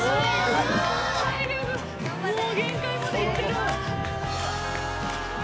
体力もう限界までいってる。